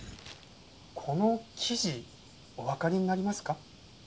この生地おわかりになりますか？